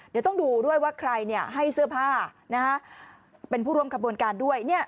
เดี๋ยวต้องดูด้วยว่าใครให้เสื้อผ้าเป็นผู้ร่วมขบวนการด้วย